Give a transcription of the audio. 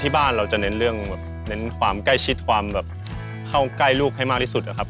บ้านเราจะเน้นเรื่องแก้ชิดความเกล้าลูกให้มากที่สุด